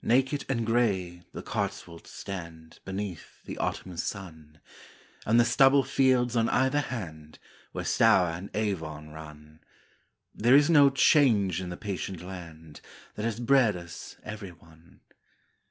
Naked and grey the Cotswolds stand Before Beneath the autumn sun, Edgehill And the stubble fields on either hand October Where Stour and Avon run, 1642. There is no change in the patient land That has bred us every one.